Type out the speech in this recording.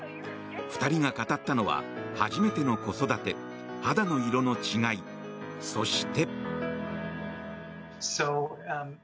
２人が語ったのは初めての子育て肌の色の違いそして。